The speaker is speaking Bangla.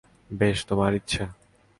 বেশ, তোমার ইচ্ছে।